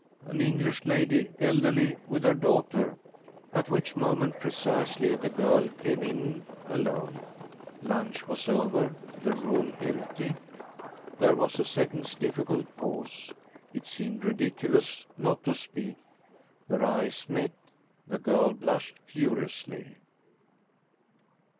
"An English lady, elderly, with her daughter " at which moment precisely the girl came in alone. Lunch was over, the room empty. There was a second's difficult pause. It seemed ridiculous not to speak. Their eyes met. The girl blushed furiously.